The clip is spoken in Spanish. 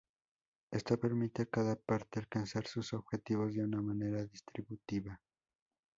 Esto permite a cada parte alcanzar sus objetivos de una manera distributiva.